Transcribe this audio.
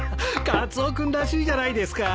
カツオ君らしいじゃないですか。